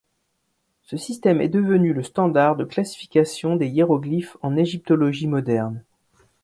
Ce système est devenu le standard de classification des hiéroglyphes en égyptologie moderne.